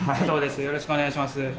よろしくお願いします。